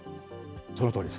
そのとおりです。